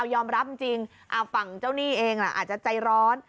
ยอมรับจริงฝั่งเจ้าหนี้เองอาจจะใจร้อน